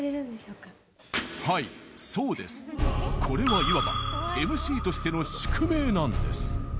これはいわばＭＣとしての宿命なんです！